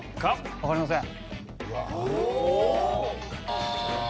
わかりません。